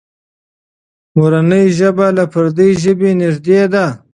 مورنۍ ژبه له پردۍ ژبې نږدې ده.